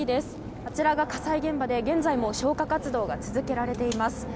あちらが火災現場で、現在も消火活動が続けられています。